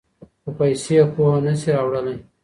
خو پیسې پوهه نه شي راوړلی.